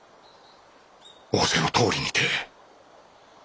仰せのとおりにて。